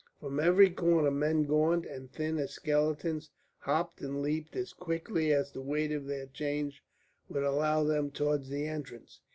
From every corner men gaunt and thin as skeletons hopped and leaped as quickly as the weight of their chains would allow them towards the entrance.